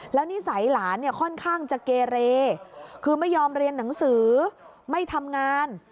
แล้วนิสัยหลานเนี่ยค่อนข้างจะเกเรคือไม่ยอมเรียนหนังสือไม่ทำงาน